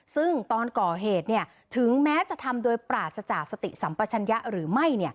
ซึ่งตอนก่อเหตุถึงแม้จะทำโดยปราศจากสติสัมปัชญะหรือไม่